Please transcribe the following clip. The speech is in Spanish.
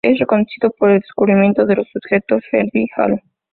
Es reconocido por el descubrimiento de los objetos Herbig-Haro.